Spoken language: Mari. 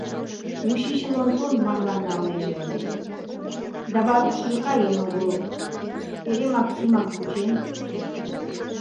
Учичыл Онтон марлан налнеже ыле, да Варушыжо каен огыл, эре Максимак вучен...